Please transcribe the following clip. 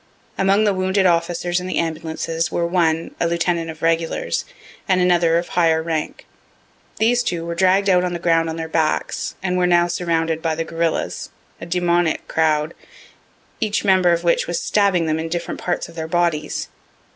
Among the wounded officers in the ambulances were one, a lieutenant of regulars, and another of higher rank. These two were dragg'd out on the ground on their backs, and were now surrounded by the guerillas, a demoniac crowd, each member of which was stabbing them in different parts of their bodies.